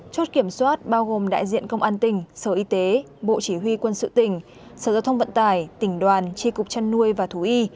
chốt kiểm soát bao gồm đại diện công an tỉnh sở y tế bộ chỉ huy quân sự tỉnh sở giao thông vận tải tỉnh đoàn tri cục chăn nuôi và thú y